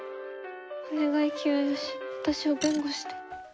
お願い清義、私を弁護して。